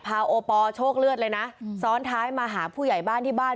โอปอลโชคเลือดเลยนะซ้อนท้ายมาหาผู้ใหญ่บ้านที่บ้าน